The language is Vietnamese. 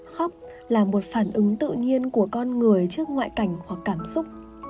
khóc là một phản ứng tự nhiên của con người trước ngoại cảnh hoặc cảm xúc